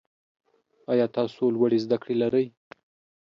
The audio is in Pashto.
ایا تاسو لوړې زده کړې لرئ؟